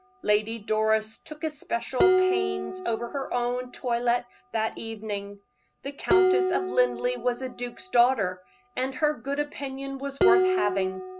Lady Doris took especial pains over her own toilet that evening. The Countess of Linleigh was a duke's daughter, and her good opinion was worth having.